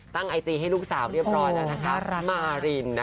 ตั้งไอจีให้ลูกสาวเรียบร้อยมาริน